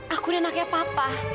aku udah anaknya papa